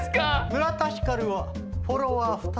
村田光はフォロワー２人。